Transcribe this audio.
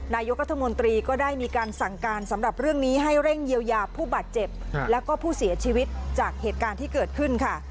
นายกรัฐมนตรีก็ได้มีการสั่งการสำหรับเรื่องนี้ให้เร่งเยียวยาผู้บาดเจ็บแล้วก็ผู้เสียชีวิตจากเหตุการณ์ที่เกิดขึ้นค่ะ